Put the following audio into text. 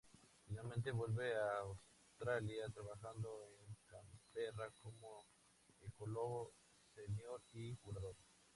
Finalmente vuelve a Australia, trabajando en Camberra como ecólogo senior y curador.